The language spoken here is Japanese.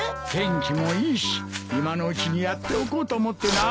天気もいいし今のうちにやっておこうと思ってな。